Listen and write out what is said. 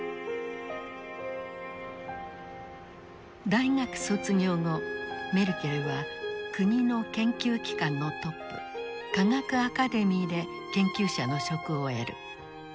大学卒業後メルケルは国の研究機関のトップ科学アカデミーで研究者の職を得る。